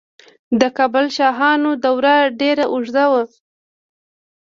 د کابل شاهانو دوره ډیره اوږده وه